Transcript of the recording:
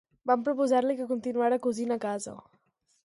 Van proposar-li que continuara cosint a casa.